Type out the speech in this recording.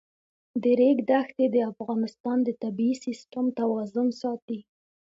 د ریګ دښتې د افغانستان د طبعي سیسټم توازن ساتي.